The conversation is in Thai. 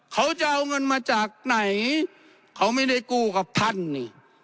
เขาจะเอาเงินมาจากไหนเขาไม่ได้กู้กับท่านนี่